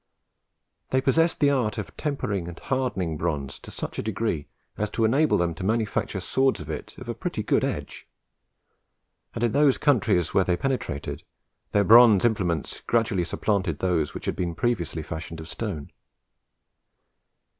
They possessed the art of tempering and hardening bronze to such a degree as to enable them to manufacture swords with it of a pretty good edge; and in those countries which they penetrated, their bronze implements gradually supplanted those which had been previously fashioned of stone.